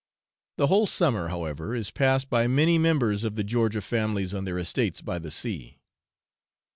The whole summer, however, is passed by many members of the Georgia families on their estates by the sea.